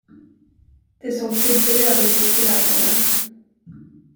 Det såg bedrövligt ut i lagården.